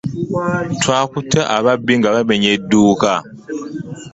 Twakutte ababbi nga bamenya edduuka.